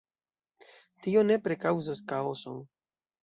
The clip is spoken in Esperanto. Tio nepre kaŭzos kaoson.